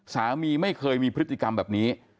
สามีไม่เคยมีพฤติกรรมแบบนี้